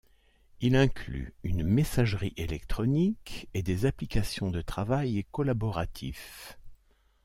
Il inclut une messagerie électronique et des applications de travail collaboratif.